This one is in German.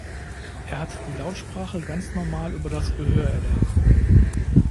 Er hat die Lautsprache ganz normal über das Gehör erlernt.